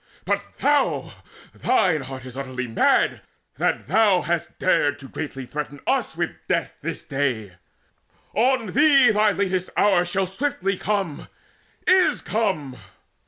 But thou thine heart Is utterly mad, that thou hast greatly dared To threaten us with death this day! On thee Thy latest hour shall swiftly come is come!